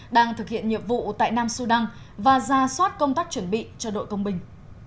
đang thực hiện nhiệm vụ tại nam sudan và ra soát công tác chuẩn bị cho đội công binh